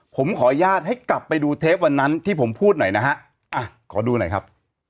ผมขออนุญาตให้กลับไปดูเทปวันนั้นที่ผมพูดหน่อยนะฮะอ่ะขอดูหน่อยครับ